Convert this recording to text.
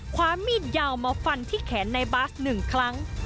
ความมีดยาวมาฟันที่แขนในบาส๑ครั้ง